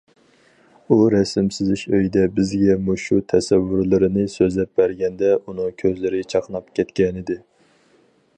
ئۇ رەسىم سىزىش ئۆيىدە بىزگە مۇشۇ تەسەۋۋۇرلىرىنى سۆزلەپ بەرگەندە، ئۇنىڭ كۆزلىرى چاقناپ كەتكەنىدى.